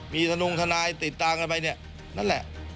มีธนงทนายติดตามกันไปเนี่ยนั่นแหละ